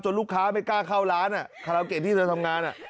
ลูกค้าไม่กล้าเข้าร้านคาราเกะที่เธอทำงาน